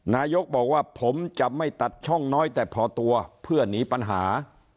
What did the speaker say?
นายกบอกว่าผมจะไม่ตัดช่องน้อยแต่พอตัวเพื่อหนีปัญหา